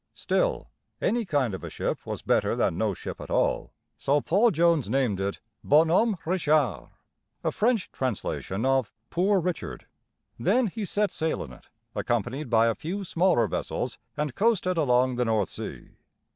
Still, any kind of a ship was better than no ship at all; so Paul Jones named it Bonhomme Richard (bŏ nŏm´ re shar´), a French translation of "Poor Richard." Then he set sail in it, accompanied by a few smaller vessels, and coasted along the North Sea.